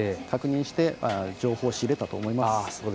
確認して情報を仕入れたと思います。